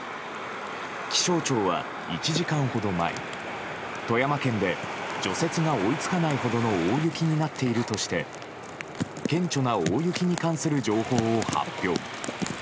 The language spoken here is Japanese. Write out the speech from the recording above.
気象庁は１時間ほど前富山県で除雪が追い付かないほどの大雪になっているとして顕著な大雪に関する情報を発表。